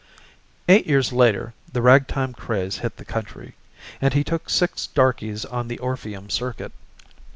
Eight years later the ragtime craze hit the country, and he took six darkies on the Orpheum circuit.